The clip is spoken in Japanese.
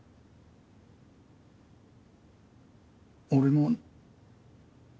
俺も。